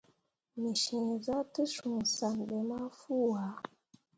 Me ceezah te cũũ san ɓe mah fuu ah.